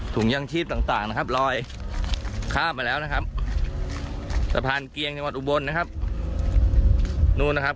สะพานเกียงจังหวัดอุบลนะครับ